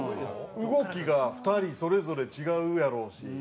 動きが２人それぞれ違うやろうし。